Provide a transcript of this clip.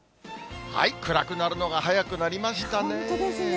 暗くなるのが早くなりました本当ですね。